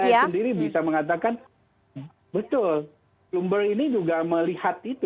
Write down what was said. jadi memang kita sendiri bisa mengatakan betul bloomberg ini juga melihat itu